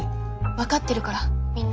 分かってるからみんな。